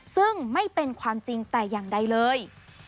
ซึ่งไม่เป็นความจริงแต่อย่างใดเลย